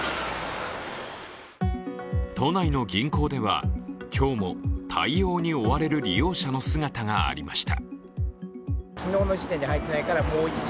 都内の銀行では、今日も対応に追われる利用者の姿がありました。